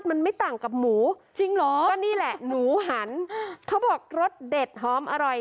มันไม่ต่างกับหมูจริงเหรอก็นี่แหละหนูหันเขาบอกรสเด็ดหอมอร่อย